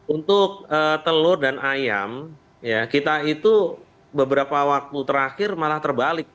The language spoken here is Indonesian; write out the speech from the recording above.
untuk telur dan ayam kita itu beberapa waktu terakhir malah terbalik